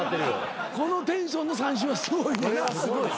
このテンションの３週はすごい。